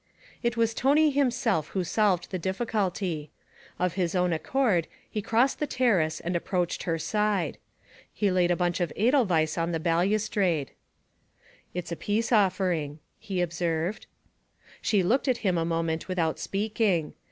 It was Tony himself who solved the difficulty. Of his own accord he crossed the terrace and approached her side. He laid a bunch of edelweiss on the balustrade. 'It's a peace offering,' he observed. She looked at him a moment without speaking.